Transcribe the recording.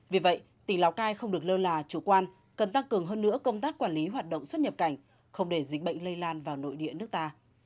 vì vậy tỉnh lào cai không được lơ là chủ quan cần tăng cường hơn nữa công tác quản lý hoạt động xuất nhập cảnh không để dịch bệnh lây lan vào nội địa nước ta